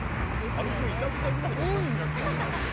軽く炒めたぐらいのシャキシャキ感があるよ。